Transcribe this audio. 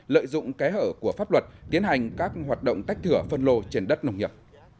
lợi dụng kẽ hở của pháp luật tiến hành các hoạt động tách thửa phân lô trên đất nông nghiệp